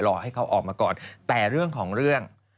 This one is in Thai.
รอให้เขาออกมาก่อนแต่เรื่องของเรื่อง